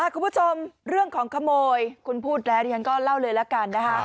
คุณผู้ชมเรื่องของขโมยคุณพูดแล้วดิฉันก็เล่าเลยละกันนะคะ